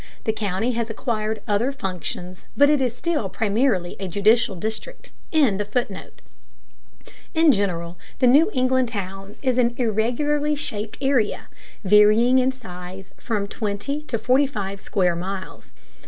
The county has acquired other functions, but it is still primarily a judicial district.] In general the New England town is an irregularly shaped area, varying in size from twenty to forty five square miles.